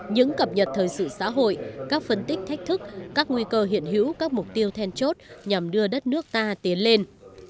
những cập nhật thời sự xã hội các phân tích thách thức các nguy cơ hiện hữu các mục tiêu then chốt nhằm đưa đất nước ta tiến lên